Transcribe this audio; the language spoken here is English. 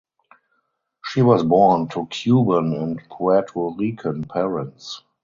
She was born to Cuban and Puerto Rican parents.